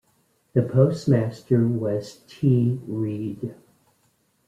The postmaster was T. Read.